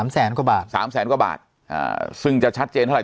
แสนกว่าบาท๓แสนกว่าบาทอ่าซึ่งจะชัดเจนเท่าไ